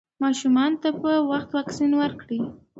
ماشومانو ته په وخت واکسین ورکړئ.